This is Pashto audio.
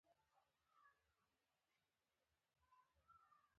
خو کليوالو لاهم له اباسين او بولان څخه.